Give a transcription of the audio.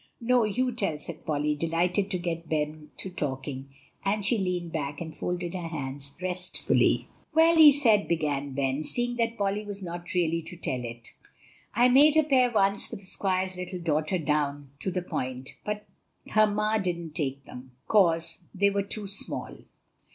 "No, you tell," said Polly, delighted to get Ben to talking; and she leaned back and folded her hands restfully. "Well, he said," began Ben, seeing that Polly was not really to tell it, "'I made a pair once for the squire's little daughter down to the Point; but her ma didn't take them, 'cause they were too small.